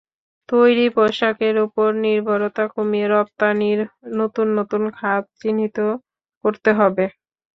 তৈরি পোশাকের ওপর নির্ভরতা কমিয়ে রপ্তানির নতুন নতুন খাত চিহ্নিত করতে হবে।